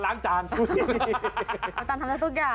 ต่างจานทำให้ทั่วจ่ะ